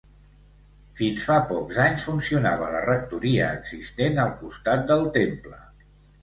Fins fa poc anys funcionava la rectoria existent al costat del temple.